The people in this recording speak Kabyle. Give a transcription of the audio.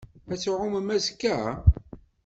Ad tɛummem azekka?